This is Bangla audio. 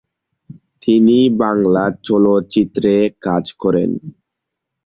তিনি বাংলা চলচ্চিত্রে কাজ করেন।